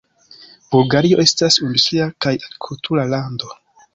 Bulgario estas industria kaj agrikultura lando.